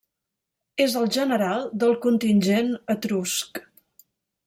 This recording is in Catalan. És el general del contingent etrusc.